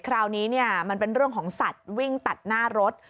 คราวนี้มันเป็นเรื่องของสัตว์วิ่งตัดหน้ารถ